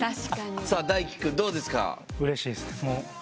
さあ大樹くんどうですか？